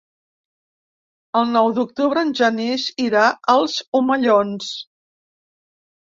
El nou d'octubre en Genís irà als Omellons.